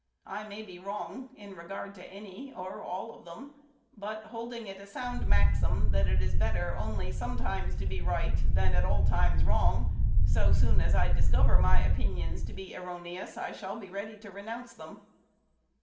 I may be wrong in regard to any or all of them; but, holding it a sound maxim, that it is better only sometimes to be right than at all times wrong, so soon as I discover my opinions to be erroneous, I shall be ready to renounce them.